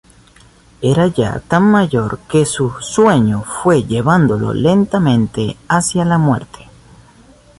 Era ya tan mayor que su sueño fue llevándolo lentamente hacia la muerte.